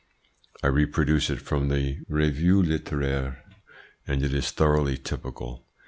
I reproduce it from the Revue litteraire, and it is thoroughly typical.